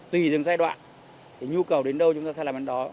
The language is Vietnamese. tùy từng giai đoạn nhu cầu đến đâu chúng ta sẽ làm ăn đó